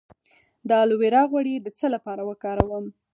د الوویرا غوړي د څه لپاره وکاروم؟